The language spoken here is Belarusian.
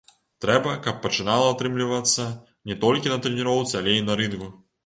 Трэба, каб пачынала атрымлівацца не толькі на трэніроўцы, але і на рынгу.